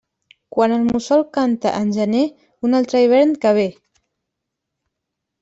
Quan el mussol canta en gener, un altre hivern que ve.